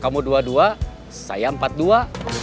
kamu dua dua saya empat dua